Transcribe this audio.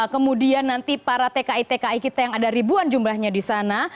kemudian nanti para tki tki kita yang ada ribuan jumlahnya di sana